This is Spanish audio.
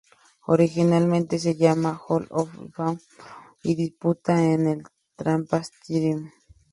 Originalmente se llamaba Hall of Fame Bowl y se disputaba en el Tampa Stadium.